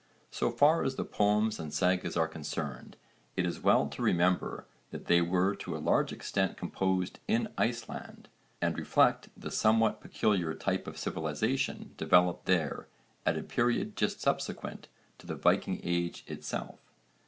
So far as the poems and sagas are concerned it is well to remember that they were to a large extent composed in Iceland and reflect the somewhat peculiar type of civilisation developed there at a period just subsequent to the Viking age itself.